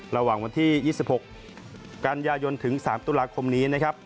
ระหว่างวันที่๒๖กันยายนถึง๓ตุลาคมนี้นะครับ